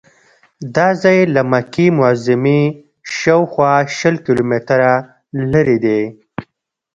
دا ځای له مکې معظمې شاوخوا شل کیلومتره لرې دی.